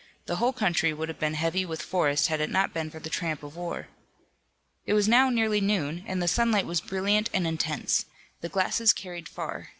The whole country would have been heavy with forest had it not been for the tramp of war. It was now nearly noon and the sunlight was brilliant and intense. The glasses carried far.